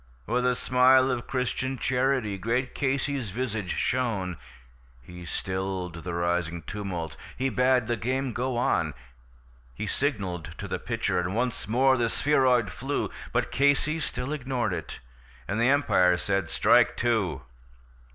With a smile of Christian charity great Casey's visage shone; He stilled the rising tumult; he bade the game go on; He signaled to the pitcher, and once more the spheroid flew, But Casey still ignored it; and the umpire said, "Strike two."